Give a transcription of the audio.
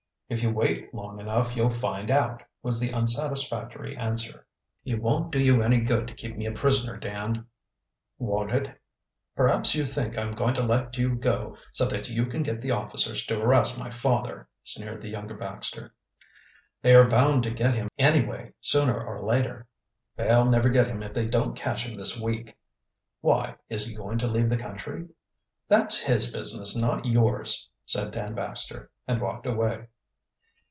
"If you wait long enough you'll find out," was the unsatisfactory answer. "It won't do you any good to keep me a prisoner, Dan." "Won't it? Perhaps you think I'm going to let you go so that you can get the officers to arrest my father," sneered the younger Baxter. "They are bound to get him anyway, sooner or later." "They'll never get him if they don't catch him this week." "Why? Is he going to leave the country?" "That's his business, not yours," said Dan Baxter, and walked away.